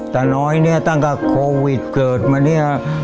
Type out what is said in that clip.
ตาน้อยเนี่ยตั้งแต่โควิดเกิดมาเนี่ย